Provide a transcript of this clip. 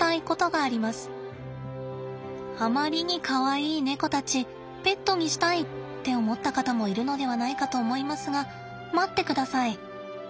あまりにかわいいネコたち「ペットにしたい！」って思った方もいるのではないかと思いますが待ってください。